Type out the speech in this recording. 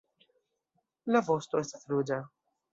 La vosto estas ruĝa.